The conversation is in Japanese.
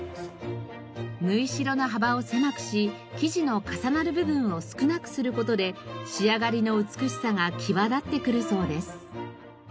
縫いしろの幅を狭くし生地の重なる部分を少なくする事で仕上がりの美しさが際立ってくるそうです。